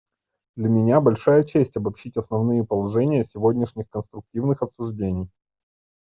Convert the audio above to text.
Для меня большая честь обобщить основные положения сегодняшних конструктивных обсуждений.